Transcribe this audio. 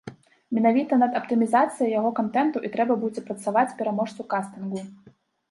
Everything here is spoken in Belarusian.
Менавіта над аптымізацыяй яго кантэнту і трэба будзе працаваць пераможцу кастынгу.